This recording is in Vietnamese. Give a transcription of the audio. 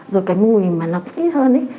rồi cái mùi mà nó ít hơn ấy